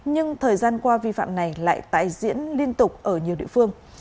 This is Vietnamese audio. nhưng thời gian qua vi phạm này lại tái diễn liên tục ở nhiều địa phương